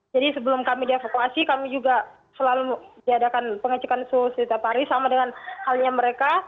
jadi sebelum kami dievakuasi kami juga selalu diadakan pengecekan suhu setiap hari sama dengan halnya mereka